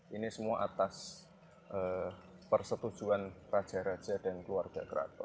ini semua atas persetujuan raja raja dan keluarga keraton